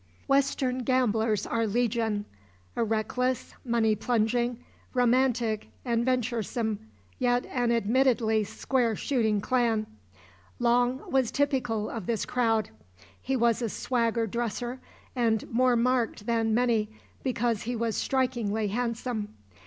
Western gamblers are legion a reckless, money plunging, romantic and venturesome yet an admittedly square shooting clan. Long was typical of this crowd. He was a swagger dresser and more marked than many because he was strikingly handsome.